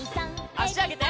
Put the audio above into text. あしあげて。